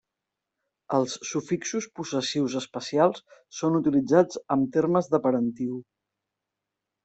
Els sufixos possessius especials són utilitzats amb termes de parentiu.